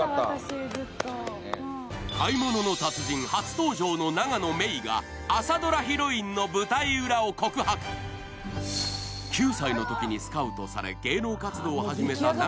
私ずっと「買い物の達人」初登場の永野芽郁が朝ドラヒロインの舞台裏を告白９歳のときにスカウトされ芸能活動を始めた